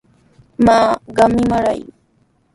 Maa, qam nimayri.